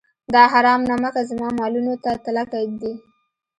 دا حرام نمکه زما مالونو ته تلکه ږدي.